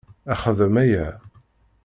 Xdem aya!